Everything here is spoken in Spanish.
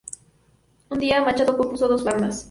Un día, Machado compuso dos bandas.